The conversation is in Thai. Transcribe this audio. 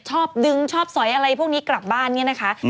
ชอบดึงชอบสอยอะไรพวกนี้กลับบ้านเนี่ยนะคะ